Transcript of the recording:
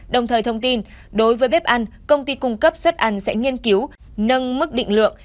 đồng thời thông tin đối với bếp ăn công ty cung cấp suất ăn sẽ nghiên cứu nâng mức định lượng